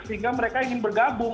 sehingga mereka ingin bergabung